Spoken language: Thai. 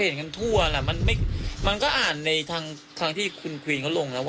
ใช่ความพิสูจน์ที่เขานั่ว